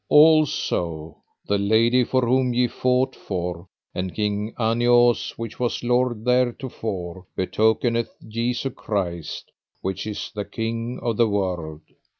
Also the lady for whom ye fought for, and King Aniause which was lord there to fore, betokeneth Jesu Christ which is the King of the world.